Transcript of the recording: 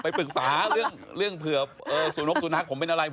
ไปปรึกษาปรึกษาเรื่องเผื่อสูงนกสูงหักผมเป็นอะไร